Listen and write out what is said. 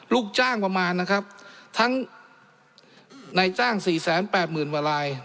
ลูกจ้างประมาณนะครับทั้งในจ้างสี่แสนแปดหมื่นกว่าลาย